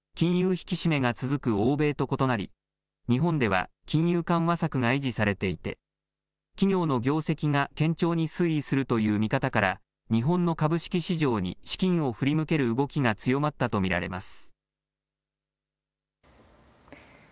引き締めが続く欧米と異なり日本では金融緩和策が維持されていて企業の業績が堅調に推移するという見方から日本の株式市場に資金を振り向ける動きが強まったと見られます。